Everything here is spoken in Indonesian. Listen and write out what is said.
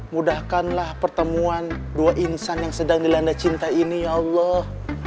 mudahkanlah pertemuan dua insan yang sedang dilanda cinta ini ya allah